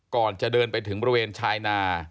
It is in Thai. ก่อนจะเดินไปถึงบริเวณชายนา